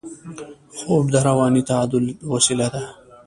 خوب د رواني تعادل وسیله ده